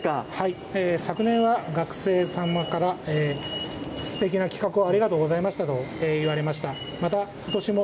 昨年は学生様から、すてきな企画をありがとうございましたと言われました。